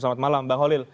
selamat malam bang holil